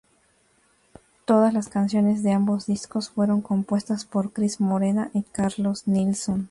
Todas las canciones de ambos discos fueron compuestas por Cris Morena y Carlos Nilson.